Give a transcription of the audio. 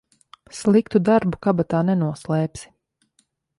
Sliktu darbu kabatā nenoslēpsi.